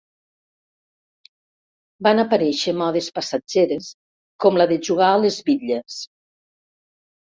Van aparèixer modes passatgeres com la de jugar a les bitlles.